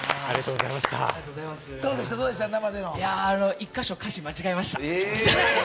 １か所、歌詞を間違えました。